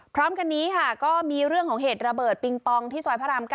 พร้อมกันนี้ค่ะก็มีเรื่องของเหตุระเบิดปิงปองที่ซอยพระราม๙